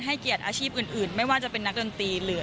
เกียรติอาชีพอื่นไม่ว่าจะเป็นนักดนตรีหรือ